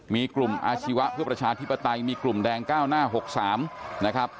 มีกลุ่มอาชีวะเพื่อประชาธิปไตยมีกลุ่มแดงก้าวหน้า๖๓นะครับ